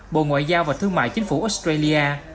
bộ ngoại giao và thương mại chính phủ australia